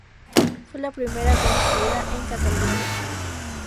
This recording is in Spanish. Fue la primera construida en Cataluña.